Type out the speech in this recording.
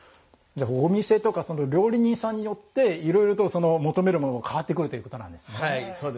お店とか料理人さんによっていろいろと求めるものも変わってくるはい、そうですね。